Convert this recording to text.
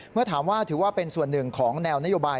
เมื่อถามว่าถือว่าเป็นส่วนหนึ่งของแนวนโยบาย